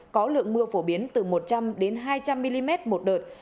có lượng mưa phổ biến từ một trăm linh hai trăm linh mm một đợt